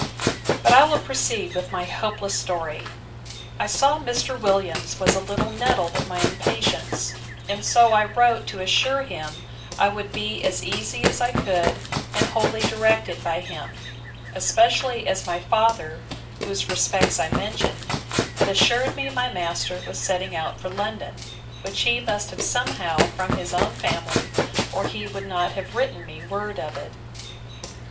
But I will proceed with my hopeless story. I saw Mr. Williams was a little nettled at my impatience; and so I wrote to assure him I would be as easy as I could, and wholly directed by him; especially as my father, whose respects I mentioned, had assured me my master was setting out for London, which he must have somehow from his own family or he would not have written me word of it.